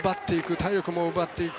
体力も奪っていく。